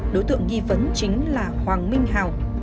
đối tượng nghi vấn chính là hoàng minh hào